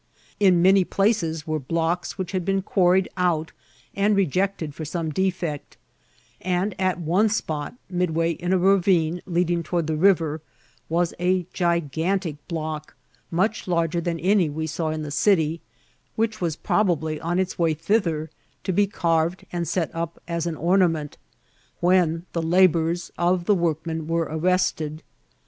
In many places were blocks which had been quarried out and rejected tot some defect ; and at one spot, midway in a ravine leading toward the river, was a gigantic block, much larger than any we saw in the city, whidi MORS APPI.ICAHT8 FOR MRDICINX. 147 was probably on its way thither, to be carved and set up as an <Mmament, when the labours of the workmen were arrested.